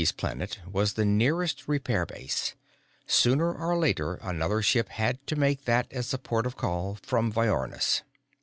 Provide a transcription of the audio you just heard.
D'Graski's Planet was the nearest repair base; sooner or later, another ship had to make that as a port of call from Viornis.